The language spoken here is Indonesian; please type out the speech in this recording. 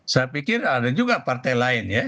saya pikir ada juga partai lain ya